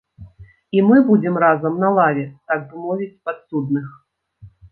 І мы будзем разам на лаве, так бы мовіць, падсудных.